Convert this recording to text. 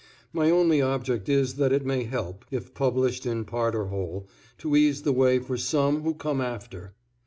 My only object is that it may help, if published in part or whole, to ease the way for some who come after.